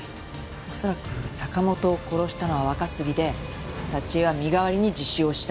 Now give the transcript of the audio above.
恐らく坂本を殺したのは若杉で佐知恵は身代わりに自首をした。